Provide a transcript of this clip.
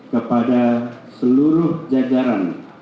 kepada seluruh jajaran